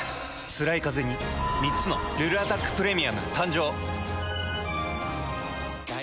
つらいカゼに３つの「ルルアタックプレミアム」誕生。